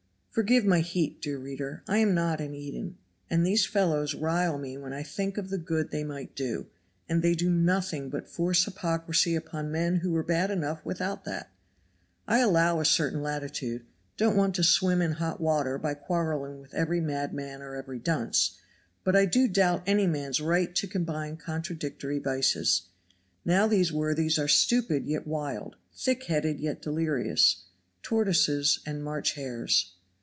Forgive my heat, dear reader. I am not an Eden, and these fellows rile me when I think of the good they might do, and they do nothing but force hypocrisy upon men who were bad enough without that. I allow a certain latitude; don't want to swim in hot water by quarreling with every madman or every dunce, but I do doubt any man's right to combine contradictory vices. Now these worthies are stupid yet wild, thick headed yet delirious tortoises and March hares.